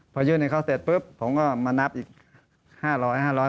พอยื่นให้เขาเสร็จปุ๊บผมก็มานับอีก๕๐๐๕๐๐บาท